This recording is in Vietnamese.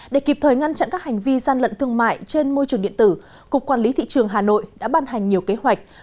để kịp thời ngăn chặn các hành vi gian lận thương mại trên môi trường điện tử cục quản lý thị trường hà nội đã ban hành nhiều kế hoạch